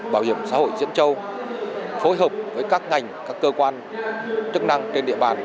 bảo hiểm xã hội diễn châu phối hợp với các ngành các cơ quan chức năng trên địa bàn